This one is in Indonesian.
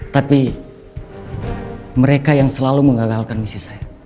tapi mereka yang selalu mengagalkan misi saya